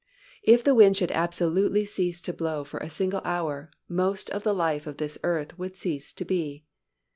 If the wind should absolutely cease to blow for a single hour, most of the life on this earth would cease to be.